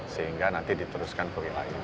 sehingga nanti diteruskan ke wilayah